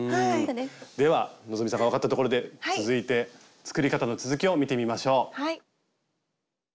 では希さんが分かったところで続いて作り方の続きを見てみましょう。